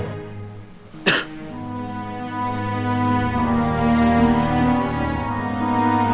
wanita kan itu rumahku